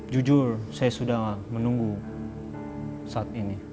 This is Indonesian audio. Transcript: jujur saya sudah menunggu saat ini